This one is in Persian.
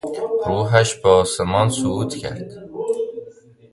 روحش به آسمان صعود کرد.